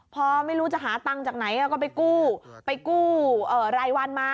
พอไม่รู้จะหาตังค์จากไหนก็ไปกู้ไปกู้รายวันมา